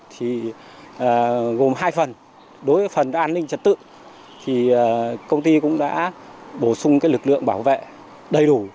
thì gồm hai phần đối với phần an ninh trật tự thì công ty cũng đã bổ sung lực lượng bảo vệ đầy đủ